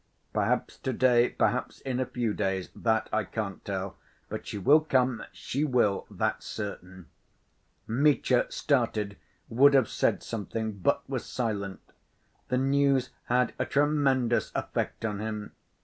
Perhaps to‐day, perhaps in a few days, that I can't tell. But she will come, she will, that's certain." Mitya started, would have said something, but was silent. The news had a tremendous effect on him.